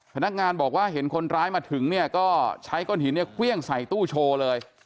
พนักงานบอกว่าเห็นคนร้ายมาถึงเนี่ยก็ใช้ก้อนหินเนี่ยเครื่องใส่ตู้โชว์เลย